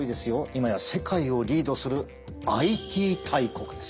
今や世界をリードするＩＴ大国です！